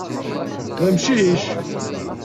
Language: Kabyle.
D amcic?